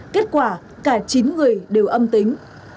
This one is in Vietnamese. kết quả cả chín người đều âm tính